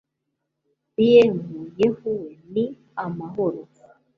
bm yehu we ni amahoro